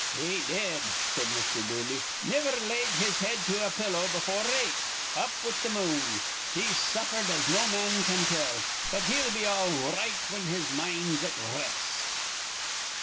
"He did," said Mr. Dooley. "Niver laid his head to a pillow before eight, up with th' moon: he's suffered as no man can tell. But he'll be all r right whin his mind's at r rest."